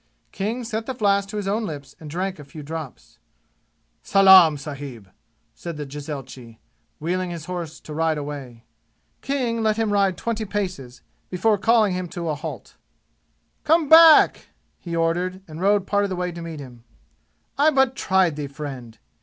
King set the flask to his own lips and drank a few drops. "Salaam, sahib!" said the jezaitchi, wheeling his horse to ride away. King let him ride twenty paces before calling to him to halt. "Come back!" he ordered, and rode part of the way to meet him. "I but tried thee, friend!"